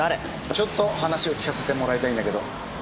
ちょっと話を聞かせてもらいたいんだけど。